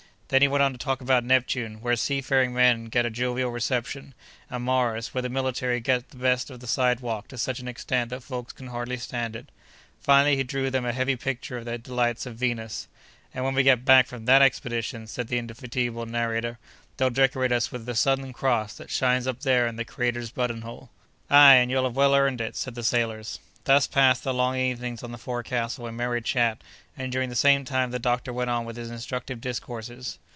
Then he went on to talk about Neptune, where seafaring men get a jovial reception, and Mars, where the military get the best of the sidewalk to such an extent that folks can hardly stand it. Finally, he drew them a heavenly picture of the delights of Venus. "And when we get back from that expedition," said the indefatigable narrator, "they'll decorate us with the Southern Cross that shines up there in the Creator's button hole." "Ay, and you'd have well earned it!" said the sailors. Thus passed the long evenings on the forecastle in merry chat, and during the same time the doctor went on with his instructive discourses.